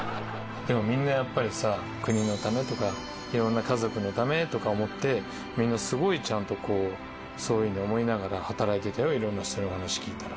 でもみんなやっぱりさ国のためとか色んな家族のためとか思ってみんなすごいちゃんとこうそういうのを思いながら働いてたよ色んな人の話聞いたら。